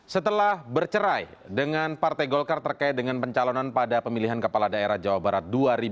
setelah bercerai dengan partai golkar terkait dengan pencalonan pada pemilihan kepala daerah jawa barat dua ribu dua puluh